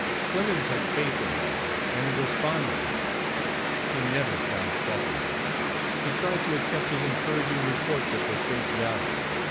Clemens had faith in Hall and was fond of him. He never found fault with him; he tried to accept his encouraging reports at their face value.